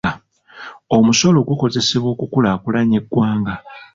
Omusolo gukozesebwa okukulaakulanya eggwanga.